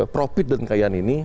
profit dan kekayaan ini